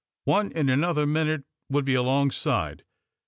One in another minute would be alongside.